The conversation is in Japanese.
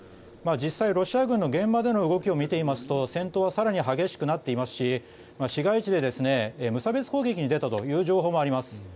実際、ロシア軍の現場での動きを見てみますと戦闘は更に激しくなっていますし市街地で無差別攻撃に出たという情報もあります。